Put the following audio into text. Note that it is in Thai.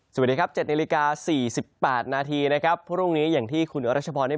สวัสดีครับ๗นาฬิกา๔๘นาทีนะครับพรุ่งนี้อย่างที่คุณรัชพรได้